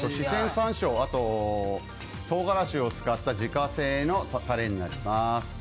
さんしょう、とうがらしを使った自家製のたれになります。